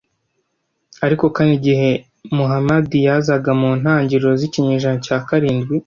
Ariko kandi igihe Muhamadi yazaga mu ntangiriro z’ikinyejana cya karindwi